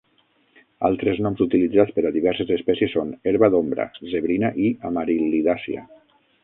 Altres noms utilitzats per a diverses espècies són herba d'ombra, zebrina i amaril·lidàcia.